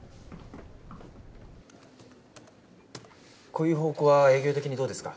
こういう方向は営業的にどうですか？